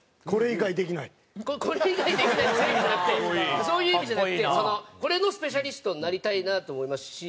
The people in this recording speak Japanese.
「これ以外できない」ってそういう意味じゃなくてそういう意味じゃなくてこれのスペシャリストになりたいなと思いますし。